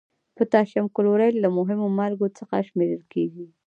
پوتاشیم کلورایډ له مهمو مالګو څخه شمیرل کیږي.